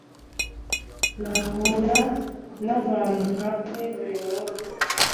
Nahura nabantu nkawe burimunsi.